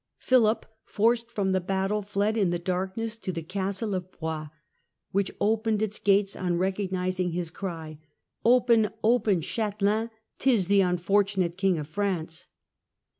Philip, forced from the battle, fled in the darkness to the Castle of Broye, which opened its gates on recognising his cry :" Open, open, Chatelain, 'tis the unfortunate King of France".